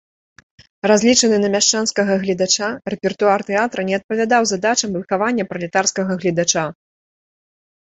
Разлічаны на мяшчанскага гледача, рэпертуар тэатра не адпавядаў задачам выхавання пралетарскага гледача.